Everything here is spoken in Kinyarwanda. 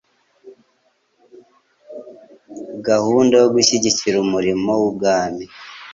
Gahunda yo gushyigikira umurimo w'Ubwami,